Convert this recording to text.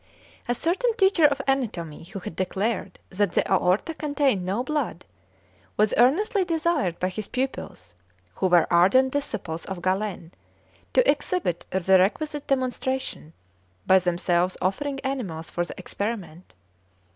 A certain teacher of anatomy, who had declared that the aorta contained no blood, was earnestly desired by his pupils, who were ardent disciples of Galen, to exhibit the requisite demonstration, they themselves offering animals for the experiment.